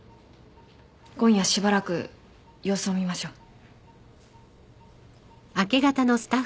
今夜しばらく様子を見ましょう。